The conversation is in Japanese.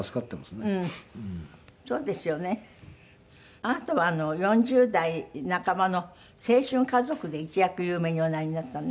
あなたは４０代半ばの『青春家族』で一躍有名におなりになったのね。